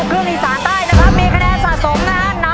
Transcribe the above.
หยุดทันทน